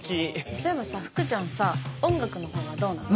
そういえばさ福ちゃんさ音楽のほうはどうなの？